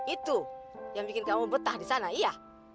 itu yang bikin kamu betah di sana iya